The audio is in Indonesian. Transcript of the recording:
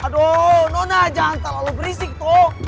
aduh nona jangan terlalu berisik tok